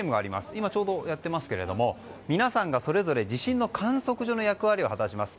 今、ちょうどやっていますが皆さんがそれぞれ地震の観測所の役割を果たします。